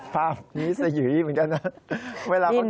ภาพนี้สยุยเหมือนกันนะเวลาเขากิน